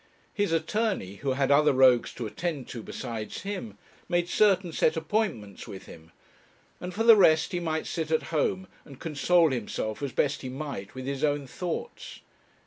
His attorney, who had other rogues to attend to besides him, made certain set appointments with him and for the rest, he might sit at home and console himself as best he might with his own thoughts.